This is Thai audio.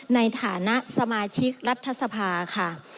ในฐานะสมาชิกรัฐสภาค่ะ